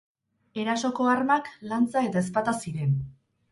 Erasoko armak, lantza eta ezpata ziren.